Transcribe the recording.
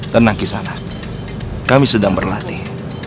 tenang kisana kami sedang berlatih